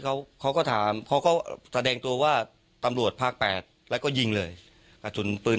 เขาเขาก็ถามเขาก็แสดงตัวว่าตำรวจภาคแปดแล้วก็ยิงเลยกระสุนปืน